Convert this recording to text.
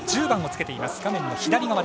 １０番をつけています。